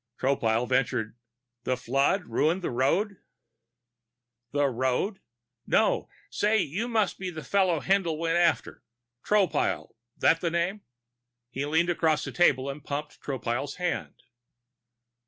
Tropile ventured: "The flood ruined the road?" "The road? No. Say, you must be the fellow Haendl went after. Tropile, that the name?" He leaned across the table, pumped Tropile's hand.